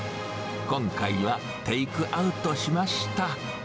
今回はテイクアウトしました。